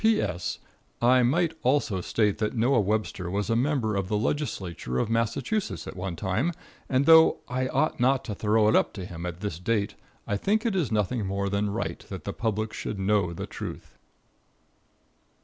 P.S. I might also state that Noah Webster was a member of the Legislature of Massachusetts at one time, and though I ought not to throw it up to him at this date, I think it is nothing more than right that the public should know the truth.